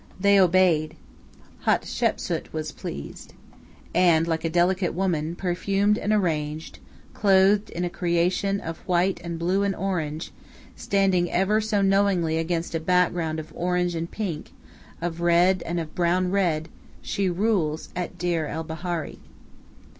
They obeyed. Hatshepsu was appeased. And, like a delicate woman, perfumed and arranged, clothed in a creation of white and blue and orange, standing ever so knowingly against a background of orange and pink, of red and of brown red, she rules at Deir el Bahari.